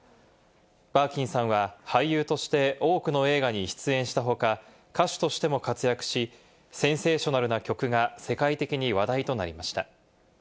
バーキンさんは俳優として多くの映画に出演した他、歌手としても活躍し、センセーショナルな曲が世界的に話題となりました。